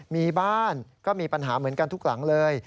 มีบ้านก็มีปัญหาเหมือนกันทุกหลังเลย